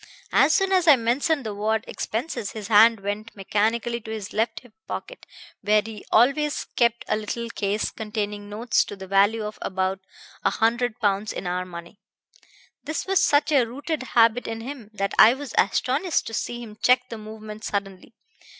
As soon as I mentioned the word 'expenses' his hand went mechanically to his left hip pocket, where he always kept a little case containing notes to the value of about a hundred pounds in our money. This was such a rooted habit in him that I was astonished to see him check the movement suddenly.